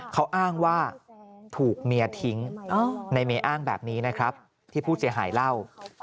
เขาอ้างว่าถูกเมียทิ้งในเมย์อ้างแบบนี้นะครับที่ผู้เสียหายเล่า